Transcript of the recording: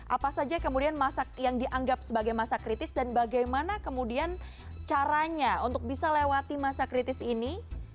apa saja kemudian yang dianggap sebagai masa kritis dan bagaimana kemudian caranya untuk bisa lewati masa kritis ini